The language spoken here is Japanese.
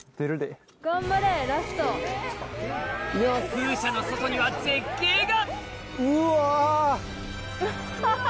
風車の外には絶景が！